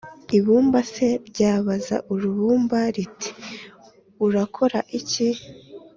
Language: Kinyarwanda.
ibumba se ryabaza uribumba, riti «urakora iki ?»,